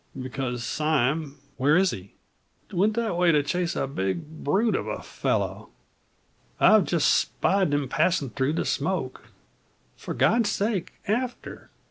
"Because Sime " "Where is he?" "Went that way in chase o' a big brute of a fellow. I've jest spied them passin' through the smoke. For God's sake, after!